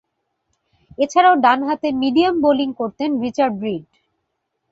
এছাড়াও, ডানহাতে medium bowling করতেন রিচার্ড রিড।